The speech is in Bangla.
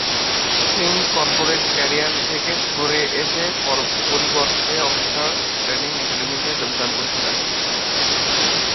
সিং কর্পোরেট ক্যারিয়ার থেকে সরে এসে পরিবর্তে অফিসার্স ট্রেনিং একাডেমিতে যোগদান করেছিলেন।